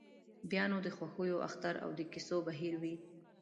بیا نو د خوښیو اختر او د کیسو بهیر وي.